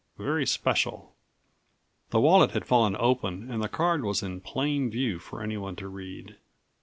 very special. The wallet had fallen open and the card was in plain view for anyone to read.